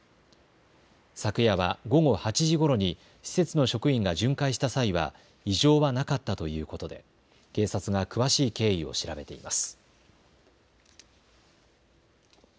昨夜は午後８時ごろに施設の職員が巡回した際は異常はなかったということで警察が詳しい経緯を調べています。